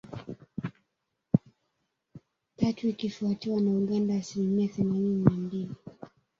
tatu ikifuatiwa na Uganda asilimia themanini na mbili